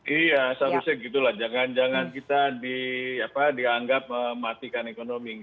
iya seharusnya gitu lah jangan jangan kita dianggap mematikan ekonomi